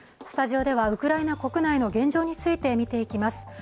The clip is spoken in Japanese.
スタジオではウクライナ国内の現状について見ていきます。